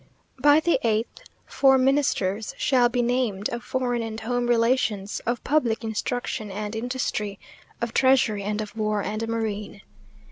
By the eighth Four Ministers shall be named, of foreign and home relations, of public instruction and industry, of treasury, and of war and marine.